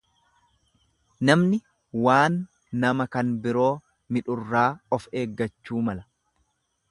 Namni waan nama kan biroo midhurraa of eeggachuu mala.